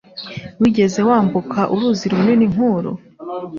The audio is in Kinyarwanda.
Wigeze wambuka uruzi runini nk'uru?